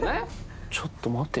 ちょっと待てよ。